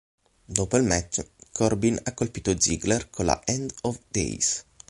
Dopo il match, Corbin ha colpito Ziggler con la "End of Days".